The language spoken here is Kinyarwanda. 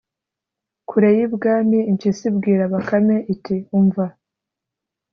kure y’ibwami, impyisi ibwira bakame iti: ‘umva,